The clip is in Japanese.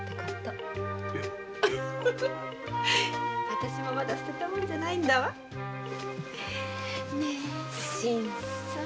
私もまだ捨てたもんじゃないんだわねぇ新さん。